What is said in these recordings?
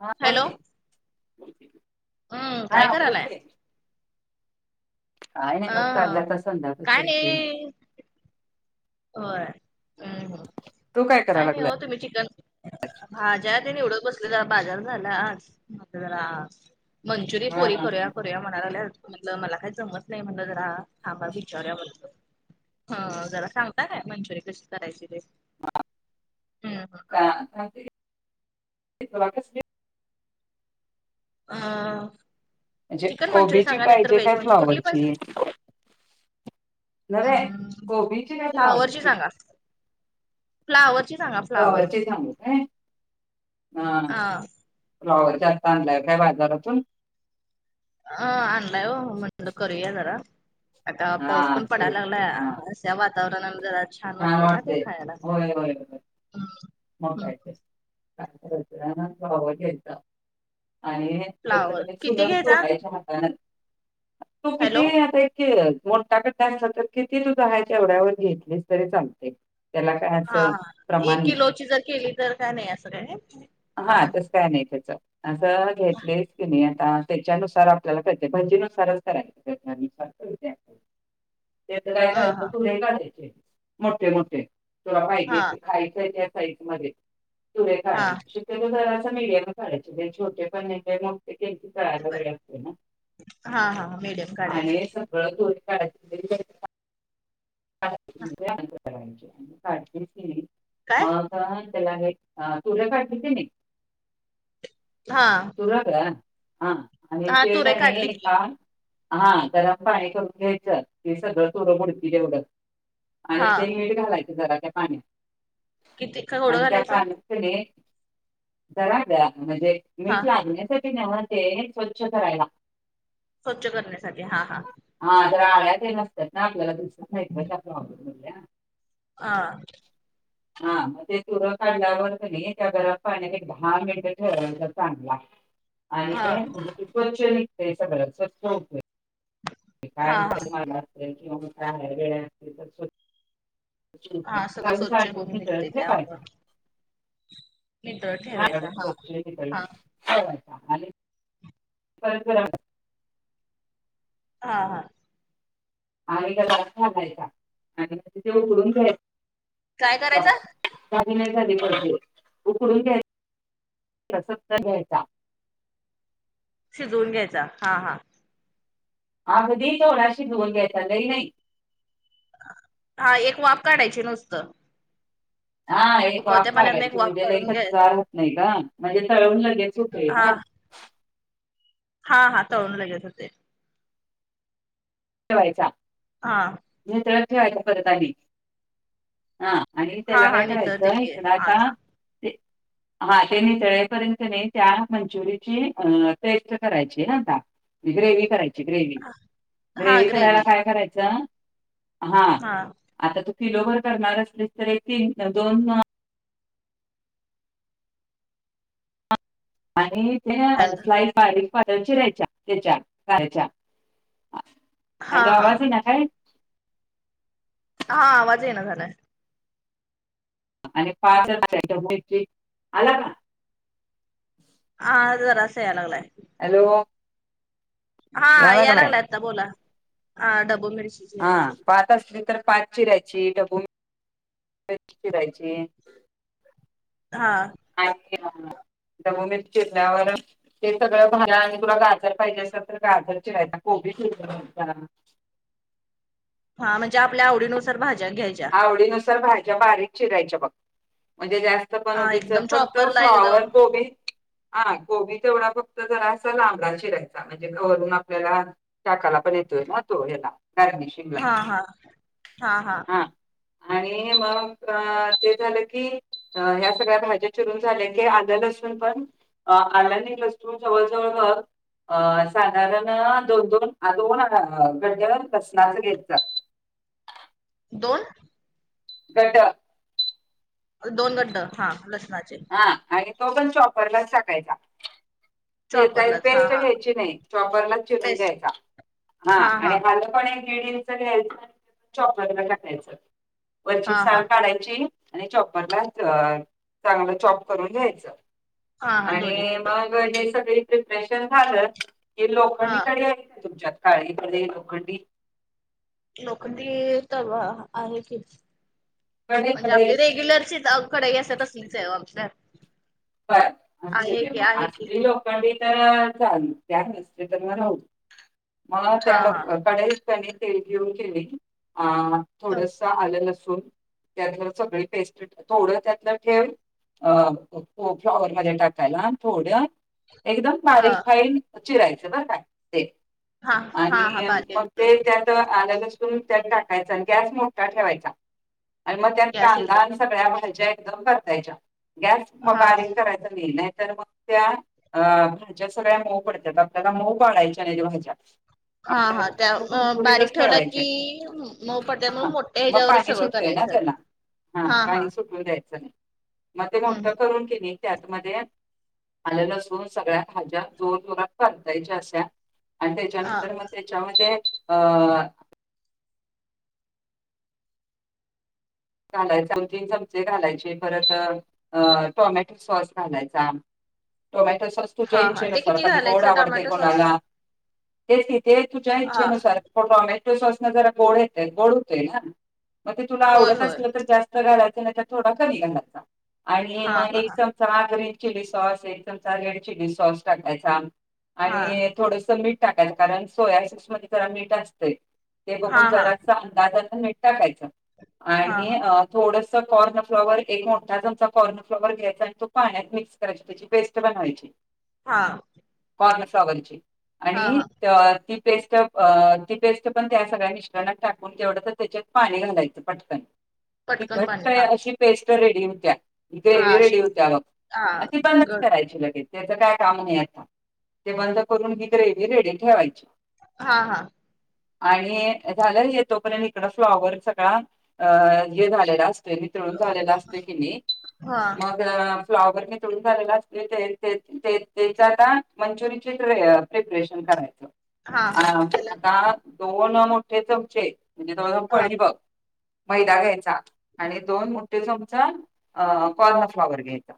हा हॅलो बोलतेे हम्म काय हा करायलाय बोलते का नाही अ बघतलं तस त्या काय रुप हो् तू काय कराय काही नाही लागलाय हो तुम्ही चिकन. भाज्या ते निवडत बसलेला बाजार झाला जरा. मंचुरीय हा पोरी हा हा करूया. म्हणा म्हण मला काही जमत नाही म्हणलं जरा विचारा व म्हणलं. हा जरा सांगता मंचुरी कशी करायची ते. [inaudible] अ म्हणजे चिकन मंचुरी कोबीची सांगा नाही तर पाहिजे व्हेज काय मंचुर कुठली पस.. फ्लॉवरची नव्हे हम् कोबीची काय फ्लावरची फ्लॉवरची सांगा. फ्लावर ची सांगा फ्लावर. फ्लॉवरची काय हा रवाता आणलाय काय बाजारातून. अ आणलाय हो म्हणड करूया जरा आता पाऊस हा पण तेच पडायला की हा लागला आ वातावरण छान वाटते होय होय होय हम्म, मग हम्म. काय. पाहत यता आणि. फ्लावर त्याच किती चुलक घ्यायचा? तोडायच्या हाताान.. तू किती हॅलो आता एक मोठा कडता तर किती तुझ ह्याच्यावढ्यावर घेतलीस. तरी चालतय हा- हा एक किलोची जर केली तर काय नाही असं काय हा प्रमाण तस काय नाही त्याच असं घेतलेस की नाही आता त्याच्यानुसार आपल्याला कळते भंजीनुसारच करायचे प्रनानुसार [unintelligible] ते काय हा करायचं हा तुे [unintelligible] काढायचे मोठे -मोठे तुला पाहिजेय हा ते खायचंय त्या साईड मध्ये तुा हा [unintelligible] ते जरासं मिडियम काढायचे छोटे पण नाही [unintelligible] मोठे के बर, हा -हा [inaudible] मिडीयम काढायचे परत [unintelligible] क [unintelligible] काढायचे आणि काढलीस कणी काय मग त्याला हे अ तूऱ्या काढशील कणी हा [unintelligible] हा आणि हा ते तुरे काय काढले नाही एक की टाक हा जरा पाणी करून घ्यायचं ती सगळं तुरं बुडतील एवढं- हा आणि ते मीठ घालायच जरा त्या किती पाण्यात थोडं आणि त्या घालायचं पाणी कणी जरा ग, म्हणजे हा मीठ लागण्यासाठी न्हव ते स्वच्छ करायला. स्वच्छ करण्यासाठी, हा - हा हा जरा आळ्यातेन असत्यात ना आपल्याला दिसत नाहीत ना [unintelligible] मधल्या हा हा मग ते तुरं काढल्यावर कणी त्या गरम पाण्यात एक दहा मिनट ठेवायच चांगला [inaudible] आणि ते स्वच्छ निघतय सगळं स्वच्छ होतय काय हा हा म्ह -मला असेल किंवा म काय वेळ [unintelligible] असतील तर स्वच्छ होतय हा सगळं काढून स्वच्छ चाळणीत धून निघतय नितळत ते ठेवायचा त्यामुळं निथळत ठेवायचा. हा, हा होय. आणि - [unintelligible] बरोबर [unintelligible] हां -हां आणि [unintelligible] घालायचा आणि मग ते उकडून घ्यायच. काय करायचं? काग [unintelligible] नाही झाली पाहिजे, उकडून घ्याय सत्ता घ्यायचा. [unintelligible] शिजवून घ्यायचा. हा, हा अगदी थोडा शिजवून घ्यायचा लई नाही. हा एक वाफ काढायची नुसतं. हा एक वाफ उकळत्या पाण्यातन एक काढायची, वाफ म्हणजे लई काढून घ्याय कच्चा राहत नाही ग म्हणजे तळून लगेच होतय हा ना. हा -हा तळून लगेच होतय. ठेवायचा. हा नितळत ठेवायचा परत आणि हा आणि हा तेला हा काय नितळते करायचं की इकडं आता अच्छा ते हा ते नितळेपर्यंत कणी त्या मंचुरीची आ पेस्ट करायची ना आता ग्रेवी करायची ग्रेवी-, ग्रेवी करायला काय करायचं, हा हा आता तू किलो भर करणार असलीस तरी तीन, दोन आणि ते हॅलो स्लाईस बारीक पातळ चिरायच्या तेच्या करायच्या, हा हॅलो हा आवाज इना काय? हा आवाज ये ना झालाय. आणि पाच जणच्या, [unintelligible] आला का? आ.. जरासं याय लागलाय. हॅलो हा यायला याय लागलाय लागला आता बोला ह डब्बू मिरची- हा चिरायची पात असली तर पात चिरायची, ढब्बु मिरची चिरायची. हा [unintelligible] ढब्बु मिरची चिरल्यावर - ते सगळं झाल. आणि तुला गाजर पाहिजे असेल तर गाजर चिरायचा, कोबी [unintelligible] हा म्हणजे आपल्या आवडीनुसार भाज्या घ्यायच्या आवडीनुसार भा्या बारीक चिरायच्या बघ म्हणजे जात पण हा उगीच एकदम फक्त चॉपरला एकदम फ्लाॉवर कोबी हा गोबी तेवढा फक्त जरा असा लांबडा शिरायचा म्हणजे घरून आपल्याला शकाला पण येतोय ना तो ह्याला गर्मिश हा हा हा हा आणि मग ते झालं की ह्या सगळ्या भाज्या चिरून झाल्या क आलं ण जवळ जवळ अ साधारण दोन दोन दोन गड्ड कसनाच घ्यायचा दोन गट दोन गड्ड हां लसणाचे हा आणि तो पण शॉपरलाच टाकायचा चिता चॉपरलाच हा पेस्ट हा घ्यायची नाही चॉबरला चिरून बेस्ट घ्यायचा हा आणि हल पण एक खे चॉपरला काढायचं हा वरची हा सा काढायची आणि चॉपरला चांगलं चॉप करून घ्यायच हा हा दोन्ही आणि पण मग सग प्र्रेशन झा हा लोखंडीकडे तम काळी प्र लोकडी नोकरी तर आहे की कढई म्हणजे कढई आपली रेग्युलरची कडई अस तसलीच आहे आल्या बर असं मग ललो कडे तर चाल त्या नसते तर मग रा मग हा त्या हा लोककडे तेल घेऊन केले अ थोड न त्या सग पेस्ट थोड त्यात ठेव हो फ्लॉवर मध्ये टाकायला थोड एकदम बारीक अ फाईल चिरायचं बरं का ते हा हा हा आणि बारीक मग ते त्या आलंसून त्यात टाकायचा गॅस मोठा ठेवायचा आणि मग त्यात गॅस कांदा एकदम आणि सगळ्या भाज्या एकदम करतायच्या गॅस मग हा हा बारींग करायचं नाही नाही तर मग त्या अ भाज्या सगळ्या मऊ पडतात आपल्याला मऊ पाळायच्या नाही त्या भाज्या हा हा आपल्याला त्या सोब बारीक पुरच ठेवला की ठेवायचे मऊ पडत्यात हा म्हणून मोठ्या मग ह्याच्यावरच पाणी सगळं करायचं हा हा सु म हम्म हम्म ून के त्यातमध्ये आलं नसून सगळ्या भाज्या जोर जोरात बलतायच्या अस्या आणि हा त्याच्यानंतर मग त्याच्यामध्ये अ घालायचा द तीन चमचे घालायचे परत अ टोमॅटो सॉस घालायचा त माही तर सस्तू हा जईनच हा ना ते सर किती कधी घालायचं गोडावडते टोमॅटो सॉस कोणाला ते तिथे तुझ्या हा इच्छेनुसार प टोमॅटो सॉस न जरा गोळ येतय गोडतोय ना मग ते तुला होय आवडत होय असलं तर जास्त घालायचं नाही तर थोडा कमी घालायचा आणि हा मग एक च चा ग्रीन चिली सॉस एकदम चा रेड चिली सॉस टाकायचा हा आणि थोडस मीठ टाकायच कारण सोया सूस मध्ये जरा मीठ असतंय ते हा बघून हा हा जराचा अंदाजला नट टाकायचं आणि हा थोडस कॉर्न फ्लॉवर एक मोठा चमचा कॉर्न फ्लवर घ्यायचा आणि तो पाण्यात मिक्स कयचा ेस्ट बनवायची हा कॉर्नफ्लावरची हा आणि ती ेस्ट ती पेस्ट पण त्या सगळ्या मिश्रण टा तेवढ त्याच्यात पाणी घालायचं पटकन ती पटकन घट्ट पाणी हा अशी पेस्ट रेडी होत्या हा ग्रेवी अशी रेडी होत्या बघ हा मग ती काय मिक्स गड करायची लगेच. त्याच काय काम नाही आता ते बंद करून बी ग्रेव रेडी ठेवायची हा हा आणि झालंच येतो पर्यंत इकडं फ्लॉवर सगळा अ हे झालेलं असतंय मितळून झालेला असतोय की नाही ह मग फ्लॉवर मी तुळून झालेला त्याच आता मंचुरियन प्रिपरेशन करायचं हा हा त्याला आता दोन मोठे चमचे म्हणजे हा पळी बघ मैदा घ्यायचा आणि दोन मोठे चमचा कॉर्न फ्लॉवर घ्यायचा.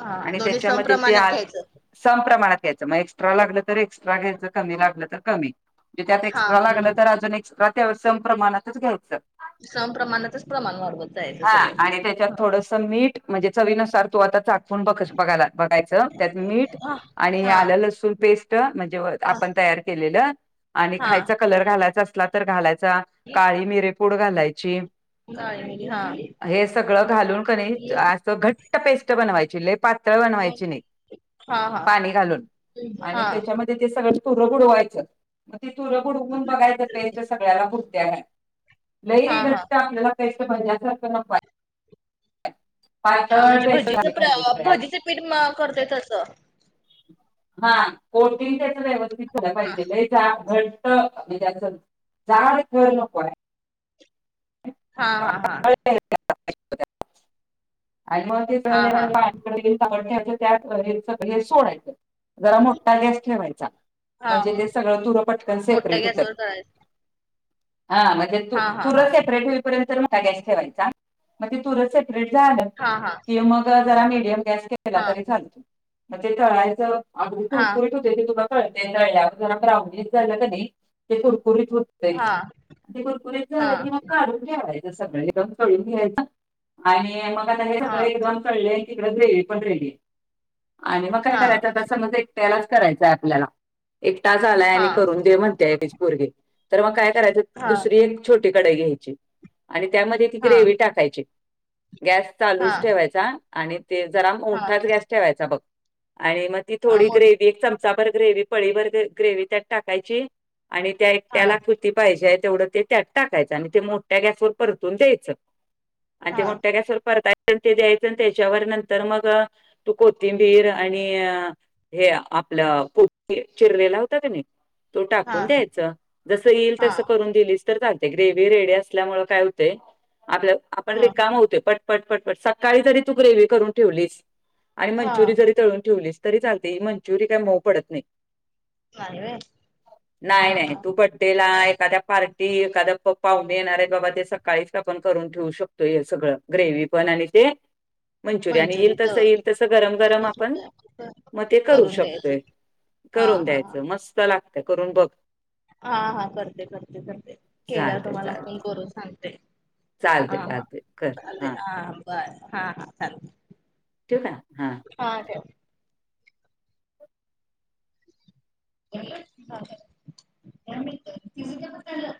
हा आणि दोन्ही त्याच्यामध्ये ते आ समप्रमाणात घ्यायचं सप्रणात घ्यायचं मग एक्स्ट्रा लागलं तर एक्स्ट्रा घ्यायचं कमी लागलं तर कमी. म्हणजे त्यात हा एक्स्ट्रा लागलं तर अजून एक्स्ट्रा त्या संम प्रमाणातच घ्यायचं. सप्रमाणातच प्रमाण वाढबत जायचं सगळं. ी म्हणजे चवीनुसार तो आता ून बघायचं त्यात मीठ हा आणि हा आलं लसूण पेस्ट म्हणजे, हा आपण तयार केलेलं आणि हा खायचा कलर घालायचा असला तर घालायचा काळी मिरे ूड घालायची काळी मिरी हा हे सगळं घालून क अस घट मो पेस्ट बणवायच लई पा बनवा नाही हा हा पाणी घालून आणि हा त्याच्यामध्ये ते सगळ तुर बुडवायचं मग ते तुर बुडवून बघायच त्याच्या सगळ्याला बुद्ध्या आहे. हा हा आपल्याला पैसे भजचख [inaudible] हा म्हणजे झाली पाहिजे भजीचं सगळ्याला भजीच पीठ करतय तसं हा कोटिंग त्याच व्यवस्थित झालं पाहिजे जा घट्ट म्ह त्याच जाड कर नकोय हा हा हा आणि मग ते हा चळले हा पा ेयचं त्या हे सोडायचं जरा मोठा गॅस ठेवायचा. हा म्हणजे ते सगळं तुर पटकन मोठ्या सेपरेट गॅसवर होतात करायचं हा म्हणजे तू हा हा तुर हा सेपरेट होईपर्यंत गॅस ठेवायचा मग ते तुर झालं हा हा कि मग जरा मडियम गॅस केला हा तरी चाल तू मगज ते तळायचं अग हा त कळळ जा झा कधी ते कुरकुरीत हा कुरकुरीच हा कि ठेय सगळून घ्यायच आणि मग आता हे हां सगळ कळ इड रे पण रेली आणि मग काय हां करायच सज, त्यालाच करायचाय आपल्याला एकटा झा आलाय आणि हां करून दे म्हणते तुझी पोरगी तर मग काय करायचं हां दुसरी एक छोटी कढाई घ्यायची. आणि त्यामध्ये ती हां ग्रेवी टाकायची गॅस चालूच हां ठेवायचा आणि ते जरा हां मोठाच गॅस ठेवायचा बघ आणि मग ती हां थोडी मोठ ग्रेव च चमच भर ग्रेव पळीभर ग्रेवी त्यात टाकायची आणि त्या एकट हां त्याला ख पाहिजे तेवढं ते त्यात टाकायचं आणि ते मोठ्या गॅसवर परतून द्यायचं. आता हां मोठ्या गॅसवर परत ते द्यायचं आणि त्याच्यावर नंतर मग तू कोथिंबीर आणि हे आपलं प चिरलेला होता का नाही? तो टाकून हां द्यायच जस येईल तस हां करून दिलीस तर चालत ग्रे रेडी असल्यामुळे काय होते आप आपण हां रिकामा होत पण ट पटपट सकाळी जरी तू ग्रेव करून ठेवली मंु हां तळून ठेवलीच तरी चालते मंचुरिय काय मऊ पडत नाही. नाही व्हय [inaudible] हां नाही नाही हां तू बड्डे ला एखाद्या पार्टी एखाद्या प. पाहणे येणार आहेत बाबा ते सकाळीच आपण करून ठेवू शकतो हे सगळं ग्रेव पण आणि ते मंचुरियन येईल मंचुरीच तसं येईल तसं गरम गरम आपण [inaudible] मग ते करू करून द्यायचं शकतोय. हां करून हां द्यायचं मस्त लागत करून बघ हा हा करते करते करते केल्यावर चालते तुम्हाला चालते फोन करून सांगते. चालते चालते कर हा [unintelligible] टीवू का? हा हा ठेव. त मम्मी तिचे दे बरं तेवढं,